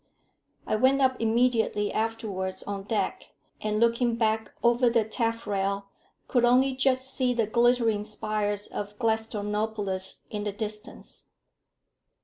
I went up immediately afterwards on deck, and looking back over the tafferel, could only just see the glittering spires of Gladstonopolis in the distance.